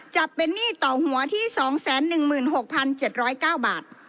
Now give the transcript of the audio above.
จะเป็นหนี้ต่อหัวที่๒๑๖๗๐๙บาท